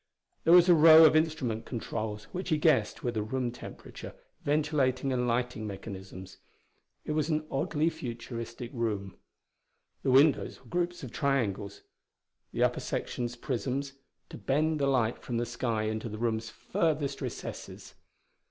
There was a row of instrument controls which he guessed were the room temperature, ventilating and lighting mechanisms. It was an oddly futuristic room. The windows were groups of triangles the upper sections prisms, to bend the light from the sky into the room's furthest recesses.